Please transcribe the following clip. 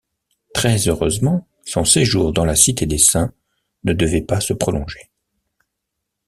Très-heureusement, son séjour dans la Cité des Saints ne devait pas se prolonger.